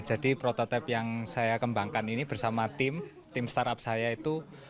jadi prototipe yang saya kembangkan ini bersama tim tim startup saya itu